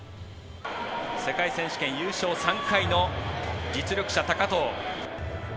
世界選手権優勝３回の実力者、高藤。